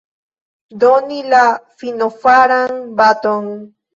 Doni la finofaran baton.